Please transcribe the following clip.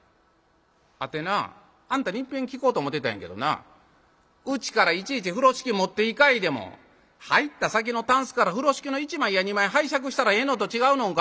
「あてなぁあんたにいっぺん聞こうと思てたんやけどなうちからいちいち風呂敷持っていかいでも入った先のたんすから風呂敷の一枚や二枚拝借したらええのと違うのんか？」。